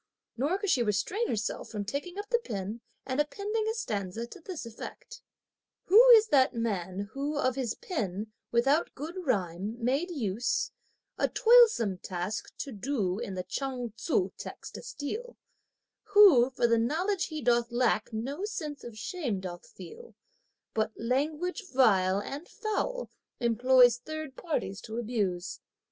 Nor could she restrain herself from taking up the pen and appending a stanza to this effect: Who is that man, who of his pen, without good rhyme, made use, A toilsome task to do into the Chuang tzu text to steal, Who for the knowledge he doth lack no sense of shame doth feel, But language vile and foul employs third parties to abuse?